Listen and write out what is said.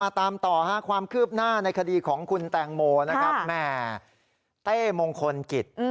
ตามต่อความคืบหน้าในคดีของคุณแตงโมนะครับแม่เต้มงคลกิจ